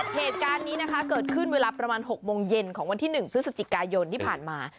เหตุการณ์นี้นะคะเกิดขึ้นเวลาประมาณ๖โมงเย็นของวันที่๑พฤศจิกายนที่ผ่านมา